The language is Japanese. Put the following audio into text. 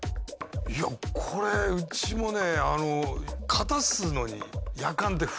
いやこれうちもねはい。